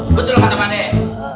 betul apa temannya